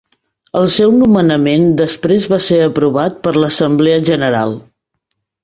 El seu nomenament després va ser aprovat per l'Assemblea General.